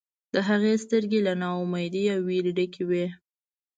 د هغې سترګې له نا امیدۍ او ویرې ډکې وې